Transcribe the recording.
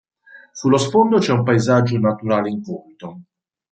Sullo sfondo c'è un paesaggio naturale incolto.